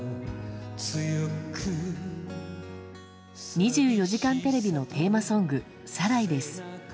「２４時間テレビ」のテーマソング「サライ」です。